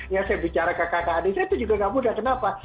ya saya bicara ke kakak kakak adi saya itu juga nggak mudah kenapa